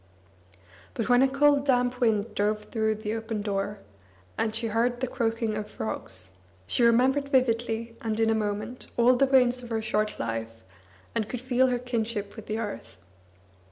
But when a cold damp wind drove through the open door, and she heard the croaking of frogs, she remembered vividly and in a moment all the rains of her short life, and could feel her kinship with the earth.